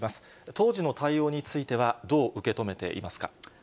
当時の対応については、どう受け止めていますか。